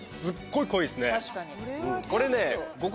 これね。